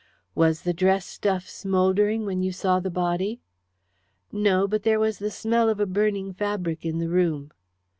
"Was the dress stuff smouldering when you saw the body?" "No; but there was a smell of a burning fabric in the room."